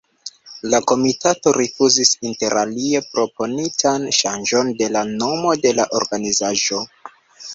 La komitato rifuzis interalie proponitan ŝanĝon de la nomo de la organizaĵo.